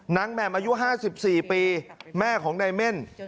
แหม่มอายุ๕๔ปีแม่ของนายเม่น